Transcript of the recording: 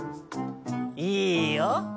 いいよ。